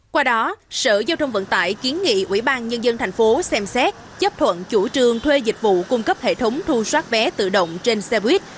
qua đó sở giao thông vận tải kiến nghị ủy ban nhân dân tp xem xét chấp thuận chủ trương thuê dịch vụ cung cấp hệ thống thu xoát vé tự động trên xe buýt